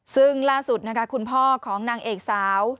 ซึ่งล่าสุดนะคะคุณพ่อของนางเอกสาว